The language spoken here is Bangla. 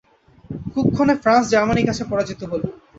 কুক্ষণে ফ্রান্স জার্মানীর কাছে পরাজিত হল।